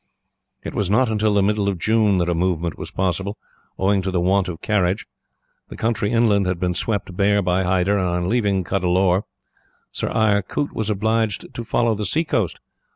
"It was not until the middle of June that a movement was possible, owing to the want of carriage. The country inland had been swept bare by Hyder, and, on leaving Cuddalore, Sir Eyre Coote was obliged to follow the seacoast.